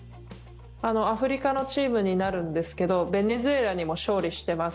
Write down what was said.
アフリカのチームになるんですけどベネズエラにも勝利しています。